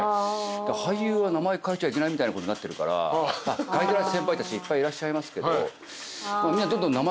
俳優は名前変えちゃいけないみたいなことなってるから変えてる先輩いっぱいいらっしゃいますけど。